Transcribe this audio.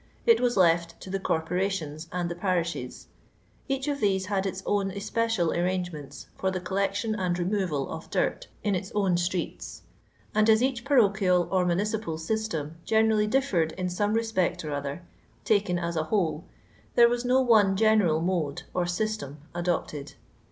It was left to the corporations and the parishes. Each of these Ittd its fiwn especial arrang^ements for the collec tion and remoral of dirt in its own ttreeU ; and as eaflh parochial or municipal system generally differed in some respect or other, taken as a whole, there was no one geneial mode or system adopted.